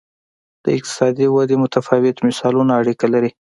د اقتصادي ودې متفاوت مثالونه اړیکه لري.